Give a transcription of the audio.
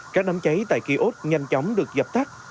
các nắm cháy tại kỳ út nhanh chóng được dập tắt